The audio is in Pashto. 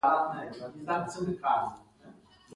بېنډۍ له کیلې سره فرق لري، خو دواړه نرم دي